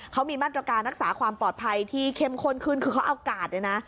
เขามีมาตรการรักษาความปลอดภัยที่เข้มข้นขึ้นคือเขาเอากาดเลยนะ